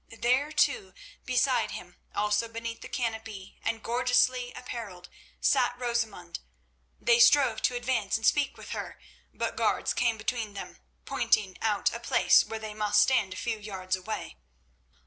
There, too, beside him, also beneath the canopy and gorgeously apparelled, sat Rosamund. They strove to advance and speak with her, but guards came between them, pointing out a place where they must stand a few yards away.